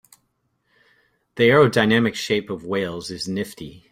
The aerodynamic shape of whales is nifty.